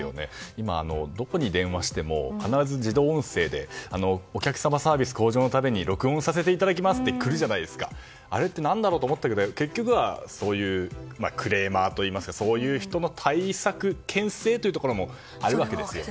今、どこに電話しても必ず自動音声でお客様サービス向上のために録音させていただきますってあれって何だろう？と思ったけど結局はクレーマーといいますかそういう人の対策牽制ということもあるわけですね。